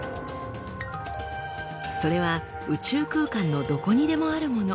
それは宇宙空間のどこにでもあるもの。